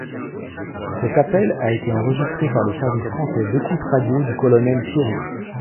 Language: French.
Cet appel a été enregistré par le service français d'écoute radio du colonel Thierry.